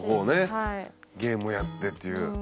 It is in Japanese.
ゲームをやってっていう。